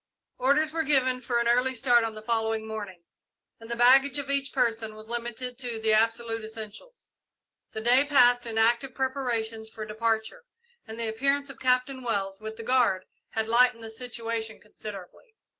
Orders were given for an early start on the following morning, and the baggage of each person was limited to the absolute essentials. The day passed in active preparations for departure, and the appearance of Captain Wells, with the guard, had lightened the situation considerably.